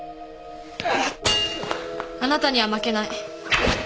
あなたには負けない。